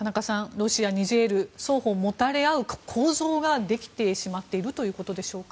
ロシア、ニジェール双方持たれ合う構造ができてしまっているということでしょうか。